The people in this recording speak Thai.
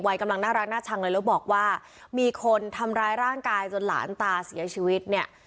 กำลังน่ารักน่าชังเลยแล้วบอกว่ามีคนทำร้ายร่างกายจนหลานตาเสียชีวิตเนี่ย